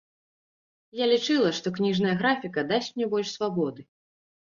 Я лічыла, што кніжная графіка дасць мне больш свабоды.